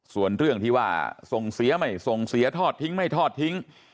ส่วนเรื่องที่ว่าส่งเสียไม่ส่งเสียทอดทิ้งไม่ทอดทิ้ง